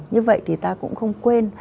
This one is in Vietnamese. như vậy thì ta cũng không quên